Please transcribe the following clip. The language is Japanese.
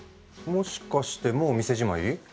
もしかしてもう店じまい？